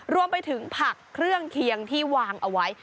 รวมไปถึงผักเครื่องเคียงที่วางเอาไว้